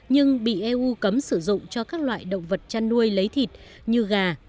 nhưng bị eu cấm sử dụng cho các loại động vật chăn nuôi lấy thịt như gà